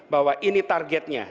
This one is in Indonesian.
bahwa ini targetnya